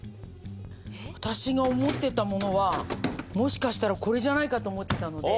私が思ってたものはもしかしたらこれじゃないかと思ってたので。